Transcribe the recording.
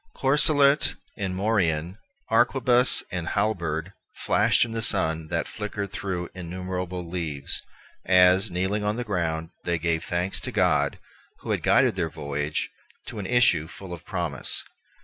Corselet and morion, arquebuse and halberd, flashed in the sun that flickered through innumerable leaves, as, kneeling on the ground, they gave thanks to God, who had guided their voyage to an issue full of promise.